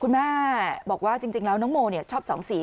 คุณแม่บอกว่าจริงแล้วน้องโมชอบ๒สี